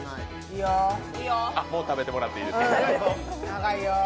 もう食べてもらっていいですよ。